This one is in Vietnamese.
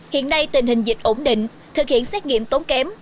hiện nay tình hình dịch ổn định thực hiện xét nghiệm tốn kém